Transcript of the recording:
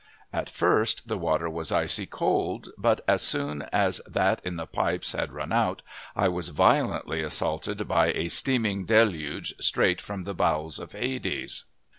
At first the water was icy cold, but as soon as that in the pipes had run out I was violently assaulted by a steaming deluge straight from the bowels of Hades.